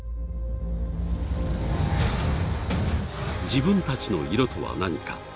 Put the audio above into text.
自分たちの色とは何か。